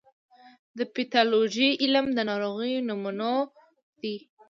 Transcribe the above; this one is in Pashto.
د پیتالوژي علم د ناروغیو نومونه ورکوي.